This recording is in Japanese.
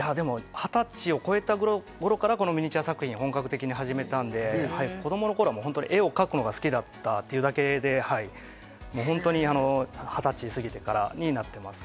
２０歳を超えた頃からミニチュア作品を本格的に始めたので、子どもの頃は絵を描くのが好きだったというだけで、２０歳を過ぎてからやっています。